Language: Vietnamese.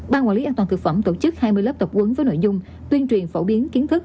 ban quản lý an toàn thực phẩm tổ chức hai mươi lớp tập quấn với nội dung tuyên truyền phổ biến kiến thức